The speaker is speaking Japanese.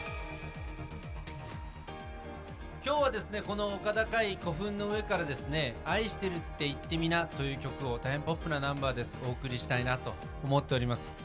今日はこの丘高い古墳の上から「愛してるって言ってみな」という曲をポップなナンバーをお送りしたいなと思っております。